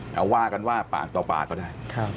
แต่ว่ากันว่าปากต่อปากก็ได้